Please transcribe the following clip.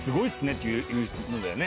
っていうのだよね。